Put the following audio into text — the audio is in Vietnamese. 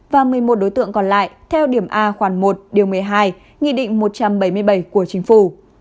và một mươi một đối tượng còn lại theo điểm a khoản một điều một mươi hai nghị định một trăm bảy mươi bảy của chính phủ